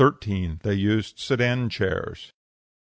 They used sedan chairs.